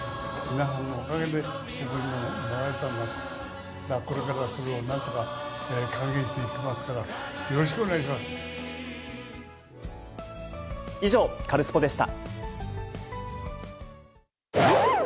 皆さんのおかげで、僕ももらえたんだと、これからそれをなんとか還元していきますか以上、カルスポっ！でした。